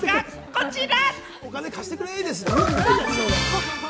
こちら。